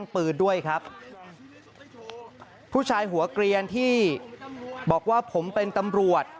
ผู้ชายหัวกเรียนที่บอกว่าผมเป็นตำรวจ